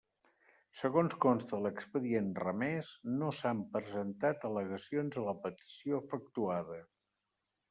Segons consta en l'expedient remés, no s'han presentat al·legacions a la petició efectuada.